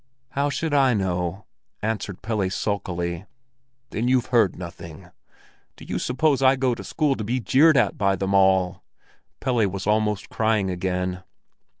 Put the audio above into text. "How should I know?" answered Pelle sulkily. "Then you've heard nothing?" "Do you suppose I'll go to school to be jeered at by them all?" Pelle was almost crying again.